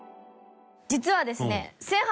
実はですね